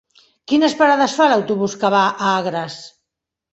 Quines parades fa l'autobús que va a Agres?